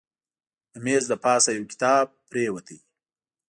د میز له پاسه یو کتاب پرېوت.